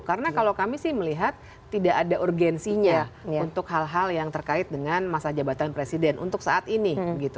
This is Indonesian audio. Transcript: karena kalau kami sih melihat tidak ada urgensinya untuk hal hal yang terkait dengan masa jabatan presiden untuk saat ini